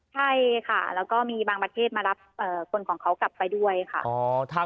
ใช่ค่ะแล้วก็มีบางประเทศมารับคนของเขากลับไปด้วยค่ะ